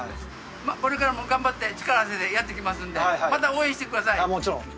これからも頑張って力合わせてやっていきますんでまた応援してください